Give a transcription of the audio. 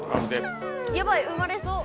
ヤバい生まれそう。